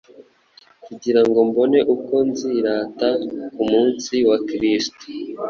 kugira ngo mbone uko nzirata ku munsi wa Kristo,